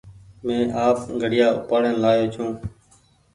مينٚ آپ گھڙيآ اُپآڙين لآيو ڇوٚنٚ